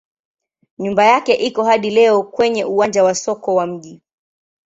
Nyumba yake iko hadi leo kwenye uwanja wa soko wa mji.